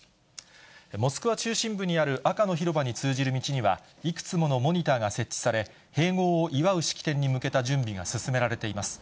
モスクワ中心部にある赤の広場に通じる道には、いくつものモニターが設置され、併合を祝う式典に向けた準備が進められています。